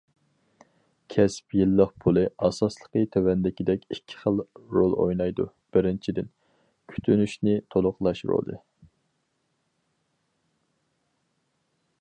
كەسىپ يىللىق پۇلى ئاساسلىقى تۆۋەندىكىدەك ئىككى خىل رول ئوينايدۇ: بىرىنچىدىن، كۈتۈنۈشنى تولۇقلاش رولى.